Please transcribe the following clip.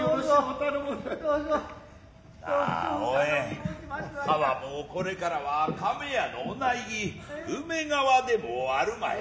ああおえん川もこれからは亀屋のお内儀梅川でもあるまい。